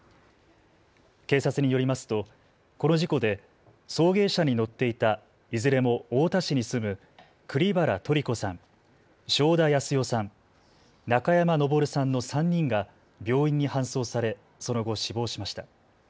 警察によりますとこの事故で送迎車に乗っていたいずれも太田市に住む栗原トリ子さん、正田靖代さん、中山昇さんの３人が病院に搬送され、その後、死亡しました。